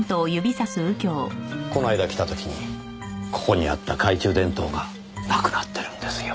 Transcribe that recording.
この間来た時にここにあった懐中電灯がなくなってるんですよ。